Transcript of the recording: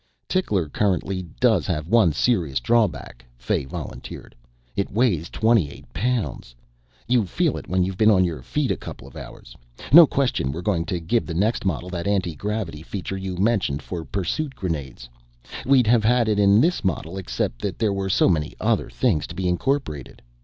"Tickler currently does have one serious drawback," Fay volunteered. "It weighs 28 pounds. You feel it when you've been on your feet a couple of hours. No question we're going to give the next model that antigravity feature you mentioned for pursuit grenades. We'd have had it in this model except there were so many other things to be incorporated."